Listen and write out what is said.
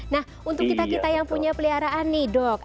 nah untuk kita kita yang punya peliharaan nih dok